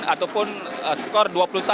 ataupun skor dua puluh satu lima belas